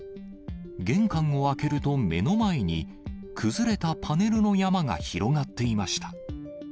玄関を開けると、目の前に、崩れたパネルの山が広がっていました。